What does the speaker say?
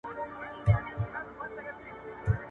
شپاړس مي لمسي دي یو تر بله راته ګران دي !.